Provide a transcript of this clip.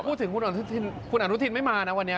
แต่พูดถึงคุณอนุทินคุณอนุทินไม่มานะวันนี้